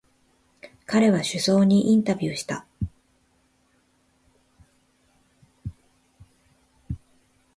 彼は首相にインタビューした。